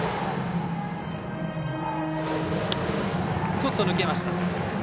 ちょっと抜けました。